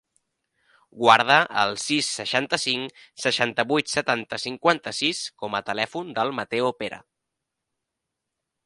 Guarda el sis, seixanta-cinc, seixanta-vuit, setanta, cinquanta-sis com a telèfon del Mateo Pera.